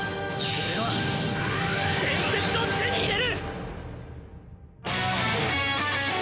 俺は伝説を手に入れる！